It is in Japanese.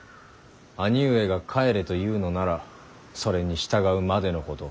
兄上が帰れと言うのならそれに従うまでのこと。